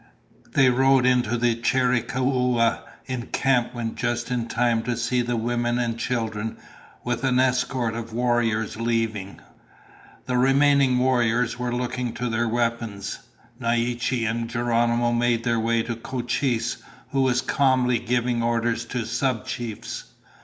They rode into the Chiricahua encampment just in time to see the women and children, with an escort of warriors, leaving. The remaining warriors were looking to their weapons. Naiche and Geronimo made their way to Cochise, who was calmly giving orders to sub chiefs.